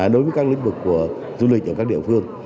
đối với các lĩnh vực của du lịch ở các địa phương